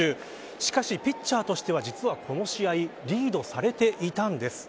しかしピッチャーとしては実はこの試合リードされていたんです。